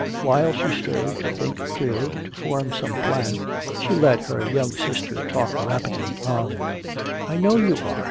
While she strove to think clearly, to form some plan, she let her young sister talk rapidly on: "I know you are!